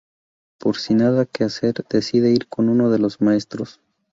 Po, sin nada que hacer, decide ir con uno de los Maestros.